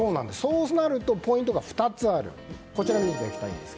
そうなるとポイントが２つあります。